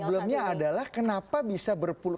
problemnya adalah kenapa bisa berpuluh